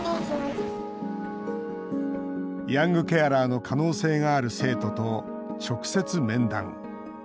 ヤングケアラーの可能性がある生徒と直接、面談。